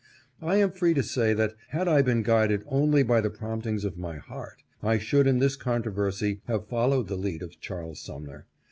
I am free to say that, had I been guided only by the promptings of my heart, I should in this controversy have followed the lead of Charles Sumner.